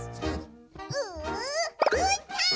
う！うーたん！